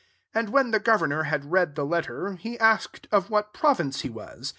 34 And when the governor had read the letter^ he asked of what province he was.